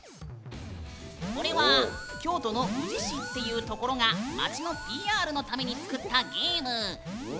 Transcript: これは京都の宇治市っていうところが町のＰＲのために作ったゲーム。